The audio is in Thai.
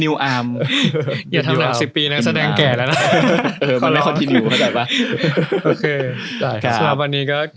สำหรับวันนี้ก็